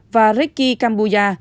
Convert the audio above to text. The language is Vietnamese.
và ricky kambuya